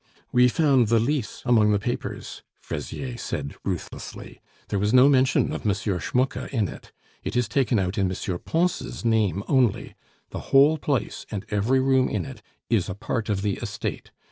"We found the lease among the papers," Fraisier said ruthlessly; "there was no mention of M. Schmucke in it; it is taken out in M. Pons' name only. The whole place, and every room in it, is a part of the estate.